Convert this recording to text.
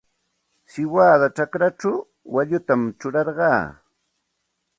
Siwada chakrachaw waallutam churarqaa.